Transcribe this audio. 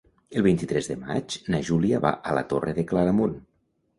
El vint-i-tres de maig na Júlia va a la Torre de Claramunt.